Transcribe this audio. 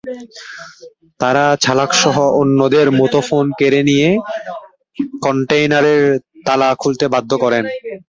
তাঁরা চালকসহ অন্যদের মুঠোফোন কেড়ে নিয়ে কন্টেইনারের তালা খুলতে বাধ্য করেন।